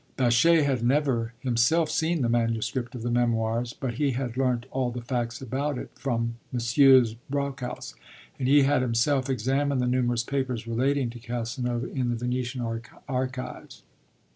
Baschet had never himself seen the manuscript of the Memoirs, but he had learnt all the facts about it from Messrs. Brockhaus, and he had himself examined the numerous papers relating to Casanova in the Venetian archives.